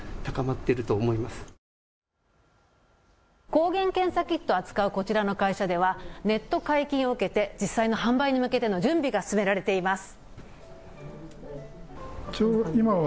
抗原検査キットを扱うこちらの会社ではネット解禁を受けて実際の販売に向けての準備が進められています。